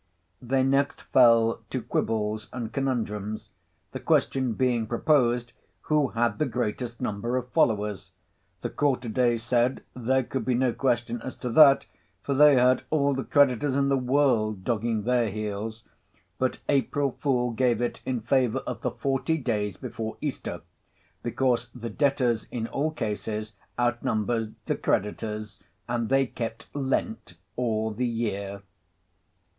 They next fell to quibbles and conundrums. The question being proposed, who had the greatest number of followers—the Quarter Days said, there could be no question as to that; for they had all the creditors in the world dogging their heels. But April Fool gave it in favour of the Forty Days before Easter; because the debtors in all cases outnumbered the creditors, and they kept lent all the year.